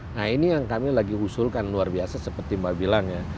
nah ini yang kami lagi usulkan luar biasa seperti mbak bilang ya